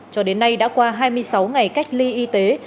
cho đến nay đã qua hai mươi sáu ngày cách ly y tế